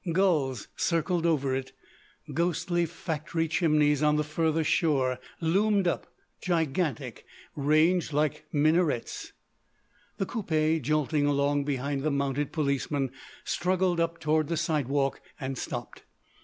Gulls circled over it; ghostly factory chimneys on the further shore loomed up gigantic, ranged like minarettes. The coupé, jolting along behind the mounted policemen, struggled up toward the sidewalk and stopped.